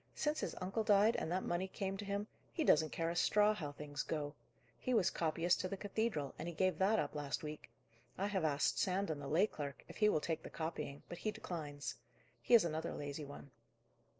Since his uncle died, and that money came to him, he doesn't care a straw how things go. He was copyist to the cathedral, and he gave that up last week. I have asked Sandon, the lay clerk, if he will take the copying, but he declines. He is another lazy one."